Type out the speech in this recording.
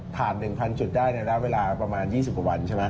ผ่าน๑๐๐๐จุดได้ในและเวลาประมาณ๒๐ประวัติใช่ไหม